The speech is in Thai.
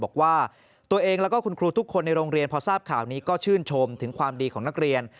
บอกว่าตัวเองแล้วก็คุณครูทุกคนในโรงเรียนพอทราบข่าวนี้ก็ชื่นชมถึงความดีของนักเรียน